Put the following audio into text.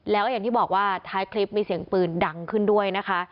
แล้วก็อย่างที่บอกว่าท้ายคลิปมีเสียงปืนดังขึ้นด้วยนะคะ